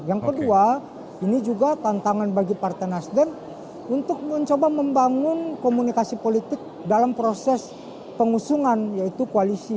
yang kedua ini juga tantangan bagi partai nasdem untuk mencoba membangun komunikasi politik dalam proses pengusungan yaitu koalisi